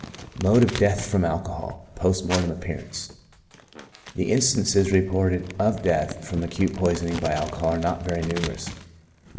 Mode of Death from Alcohol. Post Mortem Appearance. — The instances reported of death from acute poisoning by alcohol are not very numerous.